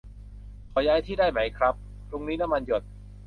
ขอย้ายที่ได้ไหมครับ ตรงนี้น้ำมันหยด